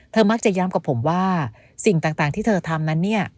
มักจะย้ำกับผมว่าสิ่งต่างที่เธอทำนั้นเนี่ย